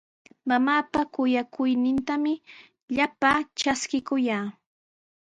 Mamaapa kuyakuynintami llapaa traskikuyaa.